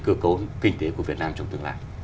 cơ cấu kinh tế của việt nam trong tương lai